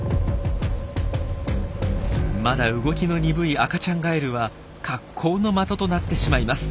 まだ動きの鈍い赤ちゃんガエルは格好の的となってしまいます。